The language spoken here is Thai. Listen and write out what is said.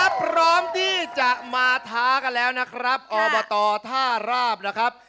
ถ้าพร้อมที่จะมาท้ากันแล้วนะครับอบตท่าราบนะครับ